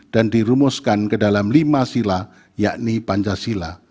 dan dirumuskan ke dalam lima sila yakni pancasila